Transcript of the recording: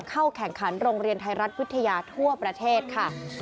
เข้าแข่งขันโรงเรียนไทยรัฐวิทยาทั่วประเทศค่ะ